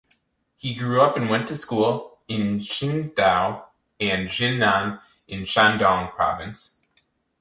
He grew up and went to school in Qingdao and Jinan in Shandong province.